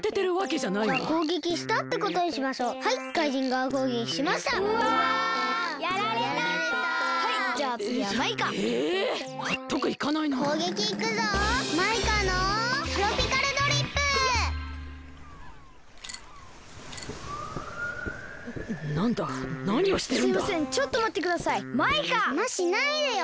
じゃましないでよ！